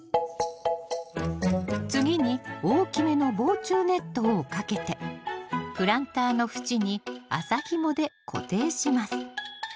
次に大きめの防虫ネットをかけてプランターの縁に麻ひもで固定します